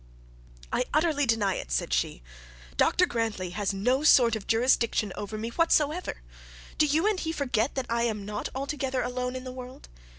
'I utterly deny it,' said she. 'Dr Grantly has no sort of jurisdiction over me whatsoever. Do you and he forget that I am not altogether alone in this world?